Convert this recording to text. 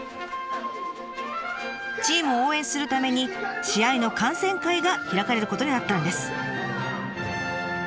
チームを応援するために試合の観戦会が開かれることになったんです。